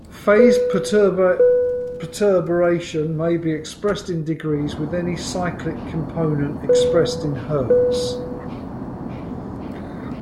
Phase perturbation may be expressed in degrees, with any cyclic component expressed in hertz.